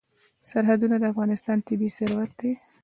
سرحدونه د افغانستان طبعي ثروت دی.